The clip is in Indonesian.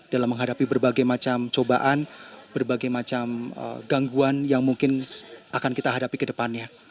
dalam menghadapi berbagai macam cobaan berbagai macam gangguan yang mungkin akan kita hadapi ke depannya